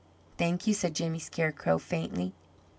"Thank you," said Jimmy Scarecrow faintly.